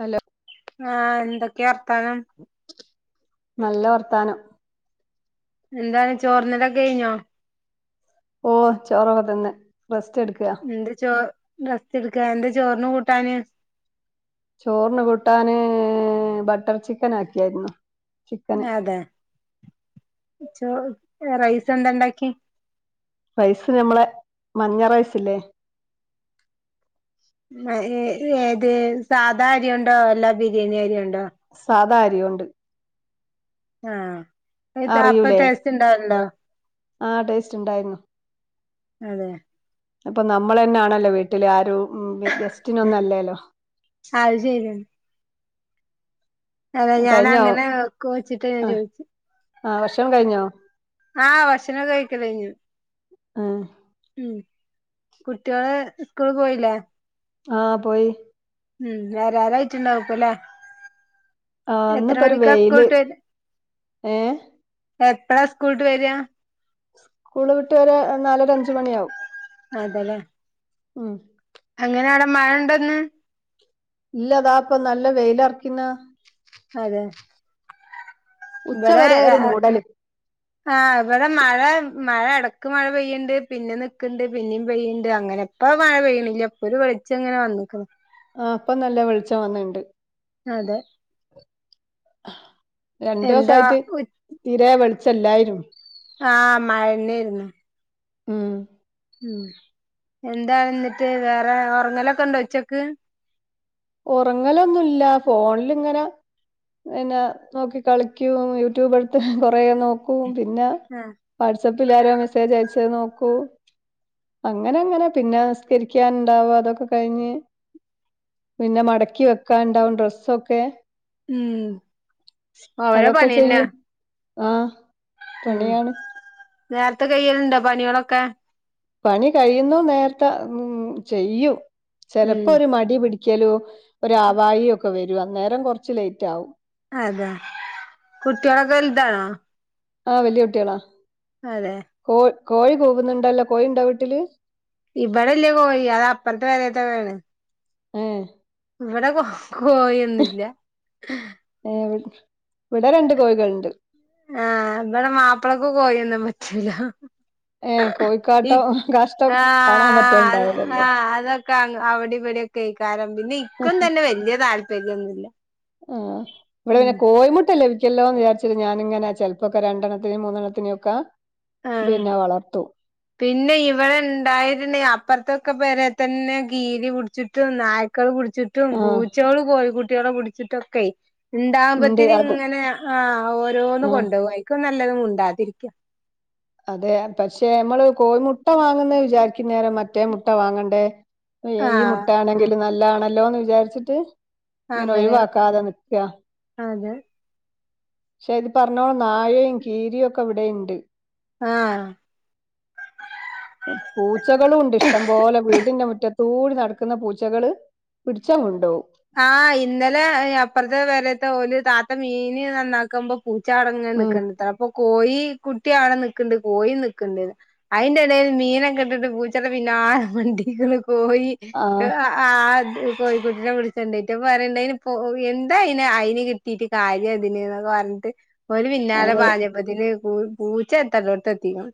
Hello ആഹ് എന്തൊക്കെയാ വർത്താനം നല്ല വർത്താനം എന്താണ് ചോർന്നലൊക്കെ കഴിഞ്ഞോ ഊവ്വ് ചോറൊക്കെ തിന്ന് റെസ്റ്റ് എടുക്കയാ എന്ത് ചോ റസ്റ്റ് എടുക്ക എന്ത് ചോറിന് കൂട്ടാന് ചോറിന് കൂട്ടാന് ബട്ടർ ചിക്കൻ ആക്കിയായിരുന്നു ചിക്കന് അതെ ചോ റൈസ് എന്ത് ഉണ്ടാക്കി റൈസ് നമ്മളെ മഞ്ഞ റൈസ് ഇല്ലേ ഏത് സാധാ അരി കൊണ്ടോ അല്ല ബിരിയാണി അരി കൊണ്ടോ സാദാ അരി കൊണ്ട് ആഹ് അപ്പ അറിയൂലേ ടേസ്റ്റ് ഇണ്ടാവറുണ്ടോ ആ ടേസ്റ്റ് ഉണ്ടായിരുന്നു അതെ അപ്പൊ നമ്മൾ തന്നെയാണല്ലോ വീട്ടില് ആരും ഗസ്റ്റിനൊന്നുമല്ലല്ലോ അത് ശരിയാണ് അല്ല ഞാൻ കഴിഞ്ഞോ അങ്ങനെ വെക്കുവോ വച്ചിട്ട ഞാൻ ആ ചോയിച്ചേ ആ ഭക്ഷണം കഴിഞ്ഞോ ആഹ് ഭഷണമൊക്കെ കഴിക്കല് കഴിഞ്ഞു ഉം ഉം കുട്ടികള് സ്കൂളി പോയില്ലേ ആഹ് പോയി ഉം വെരാറായിട്ടുണ്ടാവുപ്പോ അല്ലേ ആ എത്ര ഇന്നിപ്പോ ഒരു മണിക്കാ വെയില് സ്കൂള്ട്ട് വരാ ഏ എപ്പഴാ സ്കൂള്ട്ട് വരിക സ്കൂൾ വിട്ട് വരാ നാലര അഞ്ച് മണിയാവും അതല്ലേ ഉം അങ്ങനെയെ അവിടെ മഴണ്ടന്ന് ഇല്ല താ ഇപ്പൊ നല്ല വെയില് ഉറക്കുന്ന് അതെ ഇവിടെ ഉച്ചവരെ ഒരു [inaudible] ആഹ് ഇവിടെ മഴ മഴ ഇടക്ക് മഴ പെയ്യണ്ട് പിന്നെ നിക്കണ്ട് പിന്നേം പെയ്യണ്ട് അങ്ങനെ ഇപ്പൊ മഴ പെയ്യണില്ല ഇപ്പൊ ഒരു വെളിച്ച ഇങ്ങനെ വന്ന്ക്ക്ണ് ആഹ് ഇപ്പൊ നല്ല വെളിച്ചം വന്നിണ്ട് അതെ രണ്ടു എന്താ ദിവസായിട്ട് തീരെ വെളിച്ചം ഇല്ലായിരുന്നു ആഹ് മഴന്നായിരുന്നു ഉം ഉം എന്താ എന്നിട്ട് വേറെ ഉറങ്ങലൊക്കെ ഉണ്ടോ ഉച്ചക്ക് ഉറങ്ങലൊന്നുല്ല ഫോണിലിങ്ങനെ പിന്നെ നോക്കി കളിക്കും യൂട്യൂബ് എടുത്ത് കൊറെ നോക്കും പിന്ന ആഹ് വാട്സആപ്പിൽ ആരാ മെസ്സേജ് അയച്ചെ നോക്കൂ അങ്ങനെ അങ്ങനെ പിന്നെ നിസ്കരിക്കാനുണ്ടാവും അതൊക്കെ കഴിഞ്ഞ് പിന്നെ മടക്കി വെക്കാൻ ഉണ്ടാവും ഡ്രെസ്സ് ഒക്കെ ഉം ഓരോ അതൊക്കെ പണിയന്നെ ചെയ്യും ആഹ് ഉം നേരത്തെ കയ്യലുണ്ടൊ പണികളൊക്കെ പണി കഴിയുന്നു നേരത്തെ ഉം ചെയ്യൂം ചെലപ്പോ ഉം ഒരു മടി പിടി ക്കലും ഒരാവായു ഒക്കെ വരും അന്നേരം കുറച്ച് ലേറ്റ് ആവും അതെ കുട്ടികളൊക്കെ വലുതാണോ ആഹ് വെല്യ കുട്ടികളാ അതെ കോ കോഴി കൂവ്ന്നണ്ടല്ലോ കോഴി ഇണ്ടോ വീട്ട്ല് ഇബടെല്ല്യ കോഴി അത് അപ്പർത്തെ പെരേത്തതാണ് ഏഹ് ഇവടെ കോ കോഴി ഒന്നുല്ല്യാ ഏഹ് വ്ട് വ്ടെ രണ്ട് കോഴികള്ണ്ട് ആഹ് ഇവടെ മാപ്ലക്ക് കോഴിഒന്നും പറ്റൂല ഏഹ് കോഴികാട്ടം ആഹ് ആഹ് അത് ആഹ് അതൊക്കെ അങ്ങ് അവ്ടിം ഇവടിം ഒക്കെയ്ക്കാരം പിന്നെ ഇ ക്കും തന്നെ വെല്ല്യെ താല്പര്യൊന്നുല്ല ആഹ് ഇവടെ ഉം പിന്നെ കോഴമുട്ടല്ലെഹ് പി ക്ക്യല്ലോന്ന് വിചാരിച്ച് ഞാനിങ്ങനെ ചെലപ്പൊക്കെ രണ്ടെണ്ണത്തിനും മൂന്നെണ്ണനും ഒക്കെ ആഹ് പിന്നെ വളർത്തും പിന്നെ ഇവടെ ഇണ്ടായിര്ന്നെ അപ്പർത്തൊക്കെ പെരെ തന്നെ ഗീരി പുട്ച്ച്ട്ടും നായി ക്കള് പുട്ച്ച്ട്ടും ആഹ് പൂച്ചേള് കോഴി കുട്ട്യാളെ പുട്ച്ച്ട്ടൊക്കെയ് ഉണ്ട് ഇണ്ടാവുമ്പത്തിന് അത് ഇങ്ങനെ ആഹ് ഓരോന്ന് ആഹ് കൊണ്ടോവും അയ്ക്കും നല്ലതു മുണ്ടാതിരിക്ക അതെ പക്ഷെ അമ്മള് കോഴിമുട്ട വാങ്ങുന്നെ വിചാരിക്കും നേരം മറ്റേ മുട്ട വാങ്ങണ്ടേ അപ്പഴേ ഈ ആഹ് മുട്ട ആണെങ്കില് നല്ലാണല്ലോന്ന് വിചാരിച്ചിട്ട് ഇങ്ങനെ അങ്ങനെ ഒഴിവാക്കാതെ നിക്കാ അതെ പക്ഷെ ഇത് പറഞ്ഞോളം നായെയും കീരിയും ഒക്കെ ഇവ്ടെ ഇണ്ട് ആഹ് പൂച്ചകളും ഉണ്ട് ഇഷ്ടം പോലെ വീട്ന്റെ മുറ്റത്തൂടി നടക്ക്ന്ന പൂച്ചകള് പിടിച്ചാണ് കൊണ്ടോവും ആഹ് ഇന്നലെ എഹ് അപ്പർത്തെ പെരേത്തെ ഓല് താത്ത മീന് നന്നാക്കുമ്പൊ പൂച്ചാടങ്ങനെ ഉം നിക്ക്ണ്ട് ത്രേ അപ്പൊ കോഴി കുട്ടി ആടെ നിക്ക്ണ്ട് കോഴിയും നിക്ക്ണ്ടെലാ അയ്ന്റെ എടേല് മീനൊക്കെ ഇട്ടിട്ട് പൂച്ചന്റെ പിന്നാലെ മണ്ടീക്ക്ണ് കോഴി ഇഹ് ആഹ് ആഹ് ത്‌ കോഴികുട്ടിനെ പിട്ച്ച് ച്ചൊണ്ടേയ്റ്റ് അപ്പ പറയ്ണ്ട് അതിന് ഇപ്പോ എന്താ അയ്നെ അയ്ന് കിട്ടീട്ട് കാര്യതിന് ന്നൊക്കെ പർഞ്ഞ്ട്ട് ഓല് പിന്നാലെ അതെ പാഞ്ഞപ്പത്തിന് പൂ പൂച്ച എത്തണ്ടോട്ത്ത് എത്തീക്ക്ണ്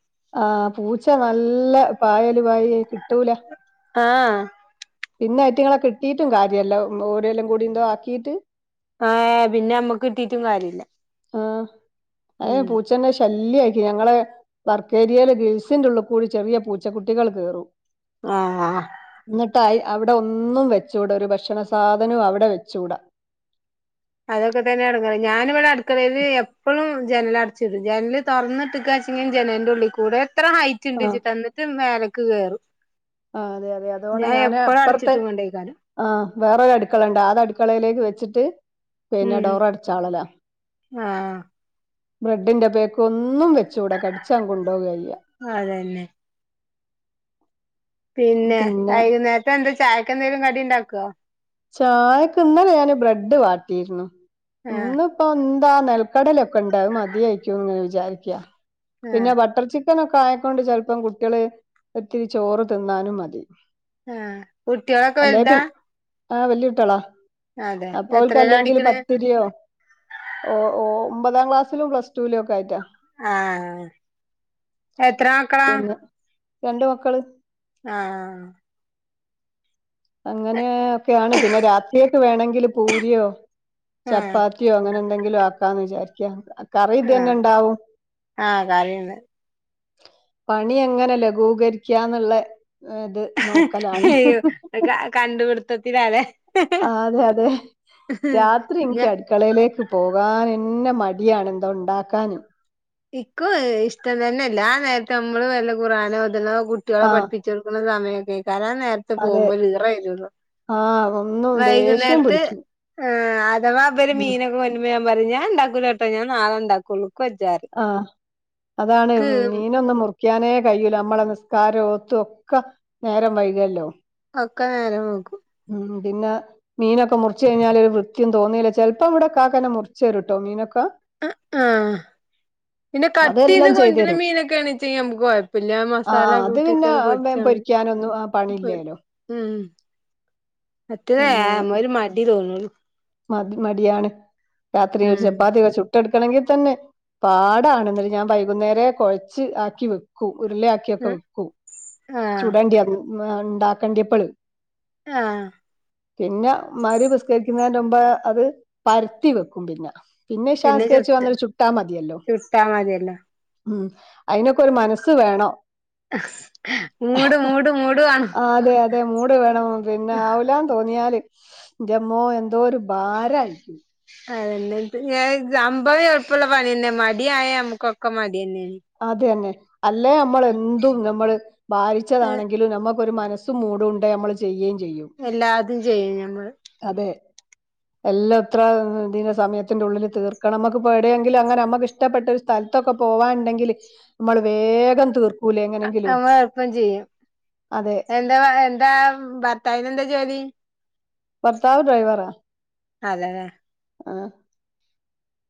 ആഹ് പൂച്ച നല്ല പായല് പായൊയ് കിട്ടൂല ആഹ് പിന്നെ ഐറ്റിങ്ങളെ കിട്ടീറ്റും കാര്യല്ല ഓര് എല്ലംകൂടി ഇന്തോ ആക്കിയിട്ട് ആഹ് ഏഹ് പിന്നെ അമ്മക്ക് കിട്ടീറ്റും കാര്യല്ല ആഹ് അഹ് ഉം പൂച്ചന്റെ ശല്ല്യേയ്ക്കും ഞങ്ങളെ വർക്കേരിയേലെ ഗിൽസിന്റുള്ള്കൂടി ചെറിയ പൂച്ചക്കുട്ടികള് കേറും ആഹ് ആഹ് ന്നട്ട് അയ് അവ്ടെ ഒന്നും വെച്ചൂട ഒരു ഭക്ഷണ സാധനവും അവിടെ വെച്ചൂട അതൊക്കെ തന്നെ എടെങ്ങേറെയ് ഞാന് വടെ അട്ക്കളേല് എപ്പഴും ജനല് അടച്ച്ടും ജനല് തൊർന്ന്ട്ട്ക്കാച്ചങ്കി ജനൽന്റെ ഉള്ള്കൂടെ എത്ര ആഹ് ഹൈറ്റ്ഇണ്ട്ച്ച്ട്ടാ ഇന്ന്ട്ട് മേലക്ക് കേറും ആഹ് അതെ അതെ അതോണം ഞാ ഞാന് എപ്പളു അപ്പുറത്തെ അടച്ചിട്ട്ങ്ങോണ്ടെയ്കാരം ആഹ് വേറൊരു അട്ക്കളണ്ട് ആത് അട്ക്കളയിലേക്ക് വെച്ച്ട്ട് പിന്നെ ഉം ഡോറ് അട്ച്ചാളലാ ആഹ് ബ്രെഡിന്റെ പേക്കൊന്നും വെച്ചുടാ കടിച്ചാണ് കൊണ്ടോവെയ്യ പ്പ അതെന്നെ പിന്നെ വയ്കുന്നേരത്ത്നെന്താ ചായക്കെന്തെങ്കിലും കടിണ്ടാക്കോ ചായക്ക് ഇന്നലെ ഞാന് ബ്രെഡ് വാട്ടിയിരുന്നു ആഹ് ഇന്ന് പ്പൊന്താ നെൽക്കടലൊക്കെണ്ട് അഹ് മതിയായിക്കുന്ന് വിജാരിക്ക ആഹ് പിന്നെ ബട്ടർ ചി ചിക്കനൊക്കെ ആയിക്കൊണ്ട് ചെൽപ്പം കുട്ടികള് ഒത്തിരി ചോറ് തിന്നാനും മതി ആഹ് കുട്ട്യാളൊക്കെ വൽതാ ആഹ് വല്ല്യോട്ട്യാളാ അതെ എത്രേലാ അപ്പോഓൽക്കല്ലെങ്കില് പഠിക്ക്ണ് പത്തിരിയോ ഓ ഓ ഒമ്പതാം ക്ലാസിലും പ്ലസ്ടുലോക്കായിറ്റാ ആഹ് എത്ര മക്കളാ പിന്നെ രണ്ട് മക്കള് ആഹ് അങ്ങനേ ഒക്കെയാണ് പിന്നെ രാത്രിയൊക്കെ വേണങ്കി പൂരിയോ ആഹ് ചപ്പാ ത്യോ അങ്ങനെന്തെങ്കിലു ആക്കാന്ന് വിചാരിക്കാ ആഹ് കറിഇതന്നെണ്ടാവും ആഹ് കറിണ്ട് പണി എങ്ങനെ ലഘൂകരിക്കാന്നുള്ള ഇത് നോക്കലാണ് യ്യോ ക കണ്ടുപിട്ത്തത്തിലാല്ലെ ആഹ് അതെ അതെ രാത്രിൻക്ക് ഞ അ ക്കളയിലേക്ക് പോകാനന്നെ മടിയാണ് എന്തോണ്ടാക്കാന് ഇക്കും ഇഷ്ടം തന്നെ ഇല്ല ആ നേരത്ത അമ്മള് വല്ല ഖുറാനോദ്ണോ കുട്ട്യാളെ ആ പഠിപ്പി ച്ചോട്ക്ക്ണ് സമയോക്കയ്ക്കാരം ആനേ ത് അതെ പോകുമ്പോഒര് ഈറരോള്ളു ആഹ് ഒന്നും ദേഷ്യം വൈകുന്നേരത്ത് പിടിക്കും ആഹ് അതമവാ ഉം ഇവര്മീനൊ ഞാ പറിം ഞാണ്ടാക്കൂലട്ടോ ഞാ നാളെ ണ്ടാകൊള്ളു ക്ക് വെജ്ജ റിം ആഹ് അതാണ് മീനോന്നും മു ർക്ക്യനേ കയ്യൂല അമ്മളെ നിസ്കാരം ഓതോക്ക നേരം വൈല്കൊല്ലോ ഒക്ക നേരം വൈകും ഉം പിന്ന മീനൊക്കെ മുർച്ച് കഴിഞ്ഞാല് ഒ ത്യം തോന്നോല്ല ചിൽപ്പം ഇവിടെ കാക്കോന്നെ മൂർച്ചെറുട്ടോ മീനൊക്കെ ആഹ് ആഹ് പിന്നെ കട്ടയ്ത് അതെല്ലാം ചെയ്തു കൊണ്ടര്ണ തരും മീനൊക്കൊണെചി നമുക്ക് കുയ്പൊന്നുല്ല മസാല കൂട്ടിട്ട് പൊ പ്പമേം പൊരിക്കാനൊന്നും ആഹ് പണില്ലേല്ലോ ഉം മറ്റേത് ഏ ഒരു മടി തോന്നു അത് മടിയാണ് രാത്രി ഒരു ഉം ചപ്പാത്തിയൊക്കെ ചു ട്ടടുക്കണങ്കി തന്നെ പാടാണ് ന്നട്ട് ഞാ വൈകുന്നേരേ കുഴച്ച് ആക്കി വെക്കും ഉരുള അ ക്യോക്കേ വെക്കും ആഹ് ചൂടണ്ട്യന്ന് ഹ് ണ്ടാക്കണ്ടിയപ്പോള് ആഹ് പിന്നെ മഹ്‌രിബ്സ്കരിക്കുന്നേന്റെമുമ്പേ അത് പരത്തി വെക്കും പിന്നെ പിന്നെ ഇഷാഹ് നിസ്കരിച്ച് വന്ന്ട്ട് ചുട്ടാ മതിയല്ലോ ചുട്ടാ മതിയല്ലോ ഉം അയിനൊക്കെ ഒരു മനസ്സ് വേണം [unintelligible] മൂട് മൂട് വേണം അതെ അതെ മൂട് വേണം പിന്നെ ആവൂല തോന്നിയാല് ന്റമ്മോ എന്തോ ഒരു ഭാരയിരിക്കും അതന്നെ. ത് ഞാ ത് സംഭവം എളുപ്പൊ ള്ള പണിന്നെ. മടി ആയാ അമ്മക്കൊക്കെ മടി ന്നെണ്. അതന്നെ. അല്ലേ അമ്മള് എന്തും നമ്മള് വാരിച്ചതാണെങ്കില് നമ്മക്കൊര് മനസ് മൂട് ഉണ്ടേൽ നമ്മൾ ചെയ്യുകയും ചെയ്യും എല്ലാതും ചെയ്യും ഞമ്മള് അതേ എല്ലാം ഇത്രദിന സമയത്തിന്റെ ഉള്ളില് തീർക്കണം അമ്മക്ക് പേടിയാങ്കില് അങ്ങനെ അമ്മക്ക് ഇഷ് ഇഷ്ടപ്പെട്ട ഒരു സ്ഥൽത്തൊക്കെ പോവാണ്ടെങ്കില് നമ്മള് വേഗം തീർ അ അമ്മ പ്പം ചെയ്യും അതെ എന്താ വ എന്താ ഭർത്താവിനന്താ ജോലി ഭർത്താവ് ഡ്രൈവറ. അതതെ ആഹ്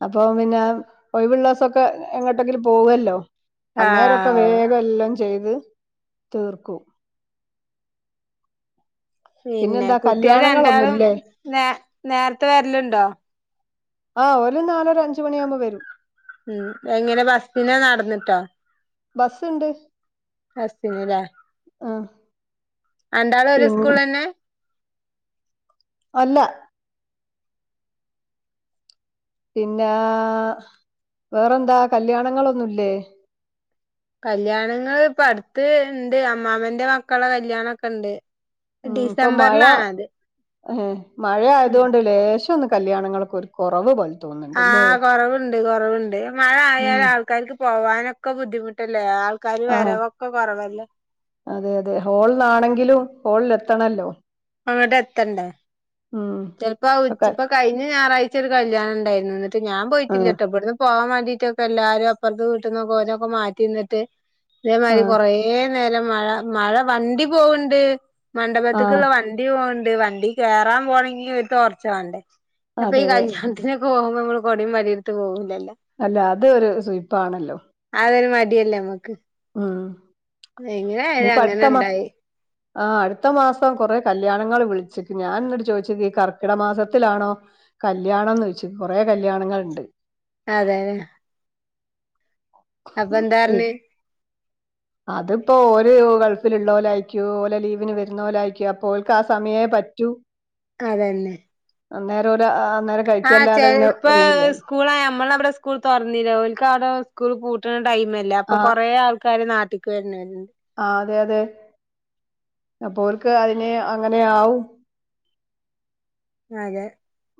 അപ്പൊ പിന്നെ ഒയിവുള്ളാസൊക്കെ എങ്ങോട്ടെങ്കിലും പോവുവല്ലോ അന്നേരൊക്കെ ആഹ് വേഗം എല്ലും ചെയ്ത് തീർക്കും. പിന്നെ പിന്നെന്താ കുട്ട്യേള് രണ്ടാളും കല്യാണങ്ങളൊന്നുംല്ലേ നേ നേരത്തെ വരലുണ്ടോ? ആഹ് ഓര് നാലൊ അഞ്ച് മണിയാകുമോ വരും ഉം എങ്ങനെ? ബസ്നോ നടന്നിട്ടോ? ബസ്ണ്ട് അസ്തിന് ലേ ഏഹ് രണ്ടാളും ഒരു സ്കൂളിലന്നെ? അല്ല പിന്നെ വേറെന്താ കല്യാണങ്ങളൊന്നുംല്ലേ കല്യാണങ്ങൾ ഇപ്പ അടുത്ത് ഇണ്ട് അമ്മാമ്മന്റെ മക്കളുടെ കല്യാണ ഒക്കെ ഉണ്ട് ഉം പ്പ മഴ, ഉം മഴ ഉം ആയതുകൊണ്ട് ലേശന്ന് കല്ല്യാണങ്ങള് ഒരു കുറവ് പോലെ തോന്നുന്നുണ്ട്ല്ലേ ആഹ് കൊറവുണ്ട് കുറവുണ്ട് മഴ ഉം ആയാല ആൾക്കാർക്ക് പോവാനൊക്കെ ബുദ്ധിമുട്ടല്ലേ ൾക്കാര് ആ വരവൊക്കെ കുറവല്ലേ അതെ അതെ ഹോളിലാണെങ്കിലും ഹോളിൽ എത്തണല്ലോ അങ്ങട്ട് എത്തണ്ടേ ചിലപ്പോ ഒക്കെ ഉച്ചപ്പ കഴിഞ്ഞ ഞായറാഴ്ച ഒരു കല്യാണം ഉണ്ടായി എന്നിട്ട്ഞാൻ ആ പോയിട്ടില്ലട്ടോ എവിടുന്ന് പോകാൻ വേണ്ടിട്ടൊക്കെ എല്ലാരും അപ്പുറത്ത് വീട്ട്ന്ന്ക്കനൊക്കെ മാറ്റിന്നിട്ട് ആ ഇതേമാതിരി കുറേ ന്നേരം മഴ, മഴ വണ്ടി പോവണ്ട് ആ മണ്ഡപത്തക്ള്ള വണ്ട ണ്ടി പോണ്ട്. വണ്ടി കേറാൻ പോണെങ്കി ഒര് ടൊർച്ച് വേണ്ടേ. അതെ പ്പ ഈ അതെ കല്യ ഇതിനൊക്കെ പോകുമ്പോ നമ്മള് കൊടിം വടിം എടുത്ത് പോകൂല്ലല്ലോ അല്ല അത് ഒരു സുയിപ്പാണല്ലോ അതൊരു മടിയല്ലേ നമ്മക്ക് ഉം. എങ്ങനായാലും ഇനിയിപ്പ അടുത്ത മാ അങ്ങനണ്ടായി ആഹ് അടുത്ത മാസം കൊറെ കല്യാണങ്ങൾ വിളിച്ചിക്ക്ണ് ഞാന് എന്നിട്ട് ചോദിച്ചത് ഈ കർക്കിട മാസത്തിലാണോ കല്ല്യാണംന്ന് ചൊയ്ച്ചു കൊറെ കല്ല്യാണങ്ങൾഇണ്ട്. അതെതെ അപ്പ എന്താ ഇ പർഞ്ഞെ? അതിപ്പോ ഓരോ ഗൾഫിലുള്ളോലായിരിക്കും ഓലോ ലീവിന് വര്ണോലായിരിക്കും അപ്പോ ഓല്ക്ക് ആ സമയേ പറ്റൂ. അതെന്നെ അന്നേരോര് ആഹ് നേര ആഹ് ചെൽപ്പ സ്കൂളായ അമ്മളോവ്ടെ സ് സ്കൂൾ തുറന്നിലെ ഒൽക്കാടെ സ്കൂൾ പൂട്ടണെ ടൈം അല്ലേ അപ്പൊ ആഹ് കൊറേ ആൾക്കാര് നാട്ട്ക്ക് വര്ണോല്ണ്ട് ആഹ് അതെ അതെ അപ്പോ ഓല്ക്ക് അതിന് അങ്ങനെയാവും അതെ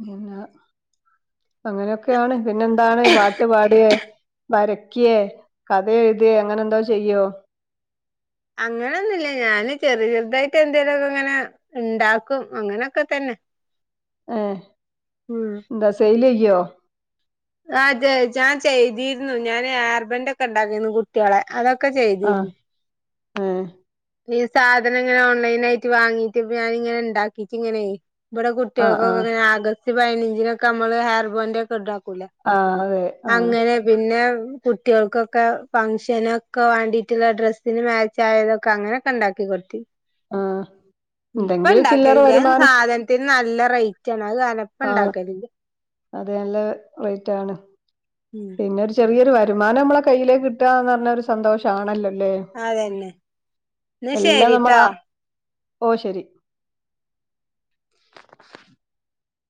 പിന്നെ അങ്ങനൊക്കെയാണ് പിന്നെന്താണ് പാട്ട് പാടേ വരക്ക്യേ കഥഎഴുതേ അങ്ങനെ എന്തേലും ചെയ്യോ അങ്ങനൊന്നുമില്ല ഞാന് ചെറിയ ചെറിയതായിട്ട് എന്തേലൊക്കെ ഇങ്ങനെ ഉണ്ടാക്കും അങ്ങനൊക്കെത്തന്നെ ഏ ഉം എന്താ സെയിൽ ചെയ്യോ ആ അതെ ഞാൻ ചെയ്തിരുന്നു ഞാന് ഹേർബാന്റൊക്കെ ഉണ്ടാക്കിരുന്നു കുട്ടിളെ അതൊക്കെ ചെയ്തിരുന്നു ഏ ഈ സാധനങ്ങൾ ഓൺലൈനായിട്ട് വാങ്ങീട്ട് ഞാനിങ്ങനെ ഉണ്ടാക്കീട്ടിങ്ങനെ ഇബടെ ആഹ് കുട്ടികൾക്കൊക്കെ ആഹ് ഇങ്ങനെ ആഗസ്റ്റ് പയിനഞ്ചിനൊക്കെ അമ്മള് ഹെർബാൻഡ് ഒക്കെ ഉണ്ടാക്കൂല്ലേ. ആഹ് അതെ ആഹ് പിന്നെ കുട്ടികൾക്കൊക്കെ ഫംഗ്ഷനൊക്കെ വേണ്ടിട്ടുള്ള ഡ്രെസിന് മാച്ച് ആയതൊ ക്ക അങ്ങനൊക്കെ ഉണ്ടാക്കി കൊടുത്തി ആഹ് ഉം ഇപ്പ എന്തെങ്കിലും ചില്ലറ ഇണ്ടാക്കലില്ല അയിന് വരുമാനം സാധന ത്തിനു നല്ല റേറ്റാണ് അത്കാരണം ആഹ് അത് നല്ല റേറ്റ് ആണ്. ഉം പിന്നെ ഒരു ചെറിയൊരു വരുമാനം മ്മളെ കയ്യിലേക്ക് കിട്ടുകാന്ന് പറഞ്ഞ ഒരു സന്തോഷണല്ലോല്ലേ. അതന്നെ എന്നാ എല്ലാം ശരിട്ടോ നമ്മളാ ഓഹ് ശരി.